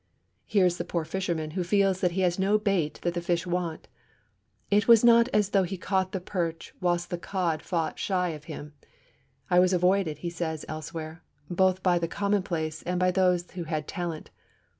Here is the poor fisherman, who feels that he has no bait that the fish want. It was not as though he caught the perch whilst the cod fought shy of him. 'I was avoided,' he says elsewhere, 'both by the commonplace and by those who had talent.